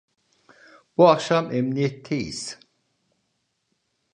Bu akşam emniyetteyiz…